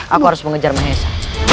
aku harus mengejar mahessa